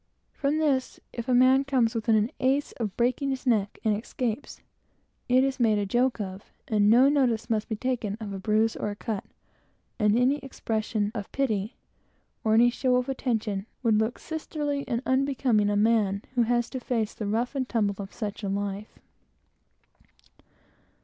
From this, if a man comes within an ace of breaking his neck and escapes, it is made a joke of; and no notice must be taken of a bruise or cut; and any expression of pity, or any show of attention, would look sisterly, and unbecoming a man who has to face the rough and tumble of such a life.